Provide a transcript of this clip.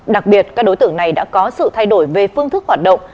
đặc biệt các đối tượng này đã có sự thay đổi về phương thức hoạt động